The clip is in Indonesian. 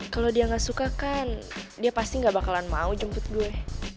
kalau dia nggak suka kan dia pasti gak bakalan mau jemput gue